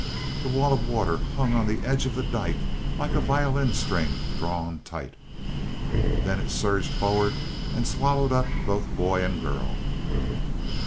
The wall of water hung on the edge of the dyke like a violin string drawn tight. Then it surged forward and swallowed up both boy and girl.